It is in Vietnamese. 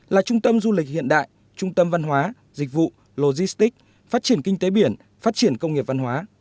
là trung tâm du lịch hiện đại trung tâm văn hóa dịch vụ logistic phát triển kinh tế biển phát triển công nghiệp văn hóa